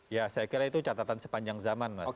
ya saya kira itu catatan sepanjang zaman mas